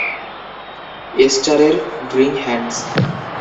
এসচারের "Drawing hands".